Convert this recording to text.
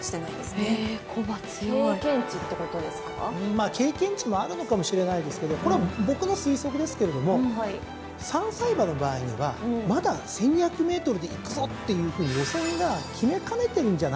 まあ経験値もあるのかもしれないですけどこれは僕の推測ですけれども３歳馬の場合にはまだ１，２００ｍでいくぞっていうふうに路線が決めかねてるんじゃないかと。